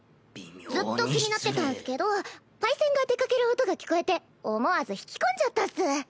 ずっと気になってたんスけどパイセンが出かける音が聞こえて思わず引き込んじゃったっス。